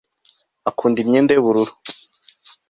akunda imyenda y'ubururu